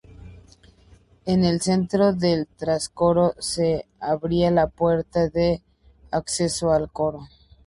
En el centro del trascoro se abría la puerta de acceso al coro.